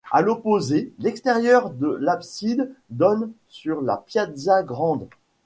À l'opposé, l'extérieur de l'abside donne sur la Piazza Grande.